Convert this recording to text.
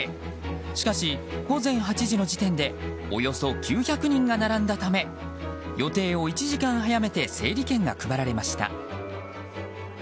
しかし、午前８時の時点でおよそ９００人が並んだため予定を１時間早めて整理券が配られました。